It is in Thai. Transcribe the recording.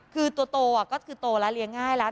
คือตัวโตก็คือโตแล้วเลี้ยงง่ายแล้ว